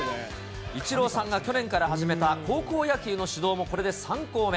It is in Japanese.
イチローさんが去年から始めた高校野球の指導もこれで３校目。